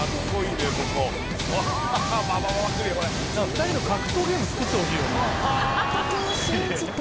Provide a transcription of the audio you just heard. ２人の格闘ゲーム作ってほしいよね。